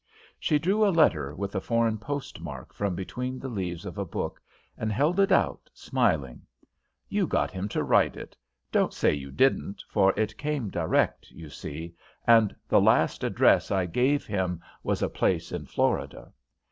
She drew a letter with a foreign postmark from between the leaves of a book and held it out, smiling. "You got him to write it. Don't say you didn't, for it came direct, you see, and the last address I gave him was a place in Florida.